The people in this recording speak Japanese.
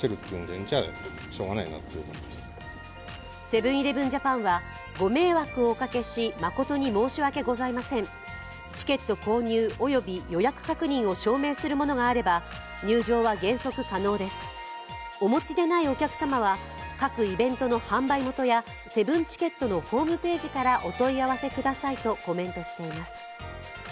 セブン−イレブン・ジャパンは、ご迷惑をおかけしは、誠に申し訳ございません、チケット購入および予約確認を証明するものがあれば入場は原則可能です、お持ちでないお客様は各イベントの販売元やセブンチケットのホームページからお問い合わせくださいとコメントしています。